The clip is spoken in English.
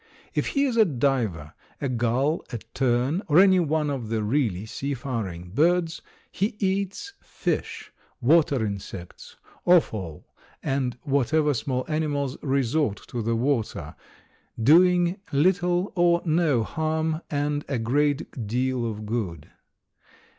If he is a diver, a gull, a tern, or any one of the really seafaring birds, he eats fish, water insects, offal and whatever small animals resort to the water, doing little or no harm and a great deal of good.